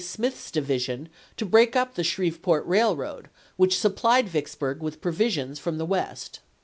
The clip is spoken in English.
Smith's divi sion to break np the Shreveport Eailroad, which supplied Vicksburg with provisions from the West.